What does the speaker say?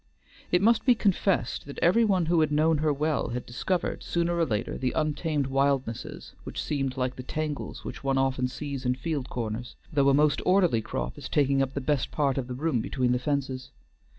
It must be confessed that every one who had known her well had discovered sooner or later the untamed wildnesses which seemed like the tangles which one often sees in field corners, though a most orderly crop is taking up the best part of the room between the fences.